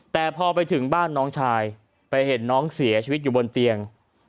แต่พอไปถึงบ้านน้องชายไปเห็นน้องเสียชีวิตอยู่บนเตียง